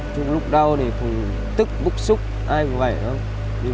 chúng lúc đau thì cũng tức bức xúc ai cũng vậy đúng không